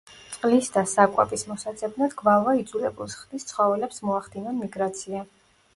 წყლის და საკვების მოსაძებნად გვალვა იძულებულს ხდის ცხოველებს მოახდინონ მიგრაცია.